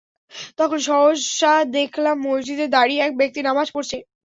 তখন সহসা দেখলাম, মসজিদে দাঁড়িয়ে এক ব্যক্তি নামায পড়ছে।